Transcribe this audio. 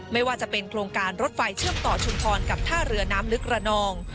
ไม่ว่าจะเป็นโครงการรถไฟเชื่อมต่อชุมพรกับท่าเรือน้ำลึกระนอง